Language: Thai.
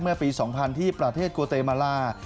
เมื่อปี๒๐๐ที่ประเทศโกเตมาลา